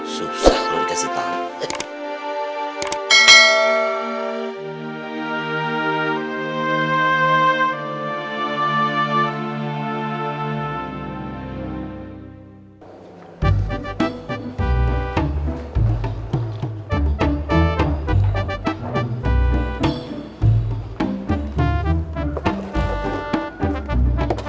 susah lo dikasih tangan